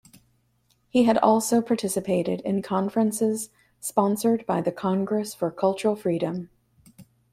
He had also participated in conferences sponsored by the Congress for Cultural Freedom.